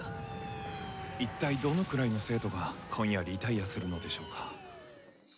一体どのくらいの生徒が今夜リタイアするのでしょうか。